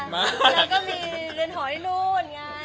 แล้วก็มีเรือนหออยู่นู้น